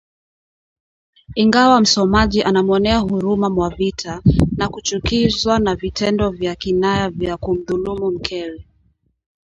Ingawa msomaji anamwonea huruma Mwavita na kuchukizwa na vitendo vya Kinaya vya kumdhulumu mkewe